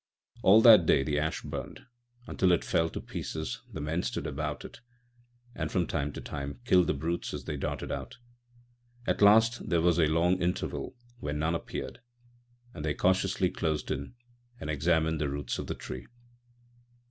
All that day the ash burned, and until it fell to pieces the men stood about it, and from time to time killed the brutes as they darted out. At last there was a long interval when none appeared, and they cautiously closed in and examined the roots of the tree.